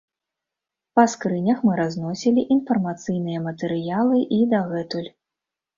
Па скрынях мы разносілі інфармацыйныя матэрыялы і дагэтуль.